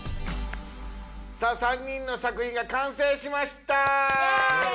さあ３人の作品がかんせいしました。